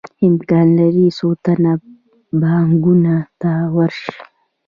امکان لري څو تنه بانکونو ته ورشي